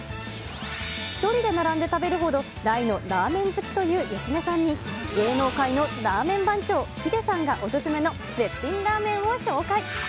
１人で並んで食べるほど大のラーメン好きという芳根さんに、芸能界のラーメン番長、ヒデさんがお勧めの絶品ラーメンを紹介。